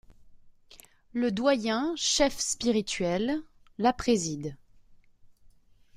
Le doyen — chef spirituel – la préside.